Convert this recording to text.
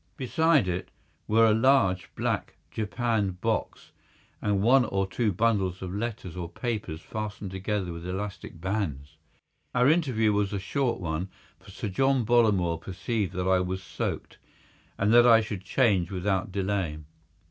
Beside it were a large black japanned box and one or two bundles of letters or papers fastened together with elastic bands. Our interview was a short one, for Sir John Bollamore perceived that I was soaked, and that I should change without delay.